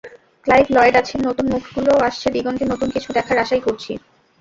Clive Lloyd আছেন, নতুন মুখগুলোও আসছে—দিগন্তে নতুন কিছু দেখার আশাই করছি।